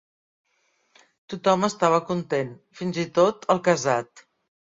Tot-hom estava content, fins i tot el casat.